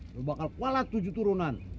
lu bakal kualat tujuh turunan